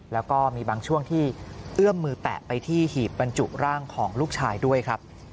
แล้วก็มีบางช่วงที่เอื้อมมือแตะไปที่หีบบรรจุร่างของลูกชายด้วยครับ